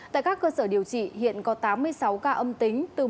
tại các cơ sở điều trị hiện có tám mươi sáu ca âm tính